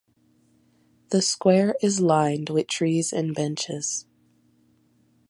The square is lined with trees and benches.